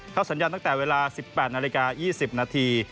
สัญญาณตั้งแต่เวลา๑๘นาฬิกา๒๐นาที